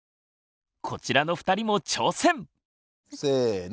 こちらの２人も挑戦！せの！